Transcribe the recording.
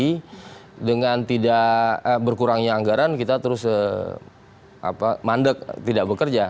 tapi bukan berarti dengan tidak berkurangnya anggaran kita terus mandek tidak bekerja